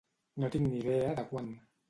No tinc ni idea de quant.